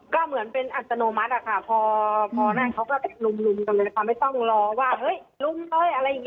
ก็เหมือนเป็นอัตโนมัติค่ะพอนั่งเขาก็ลุมกันเลยค่ะ